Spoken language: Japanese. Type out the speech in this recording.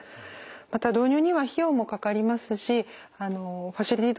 また導入には費用もかかりますしファシリティ